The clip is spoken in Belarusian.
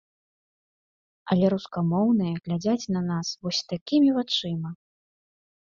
Але рускамоўныя глядзяць на нас вось такімі вачыма!